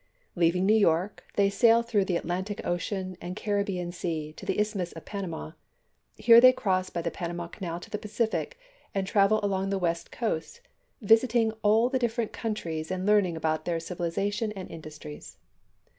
Leaving New York, they sail through the Atlantic Ocean and Carib bean Sea to the Isthmus of Panama. Here they cross by the Panama Canal to the Pacific, and travel along the west coast, visiting all the different countries and learning about their civilization and industries.